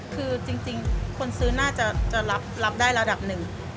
คือจริงคนซื้อน่าจะรับได้ระดับหนึ่ง